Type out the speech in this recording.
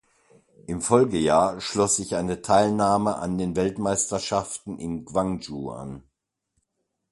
Im Folgejahr schloss sich eine Teilnahme an den Weltmeisterschaften in Gwangju an.